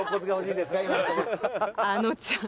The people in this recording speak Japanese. あのちゃん。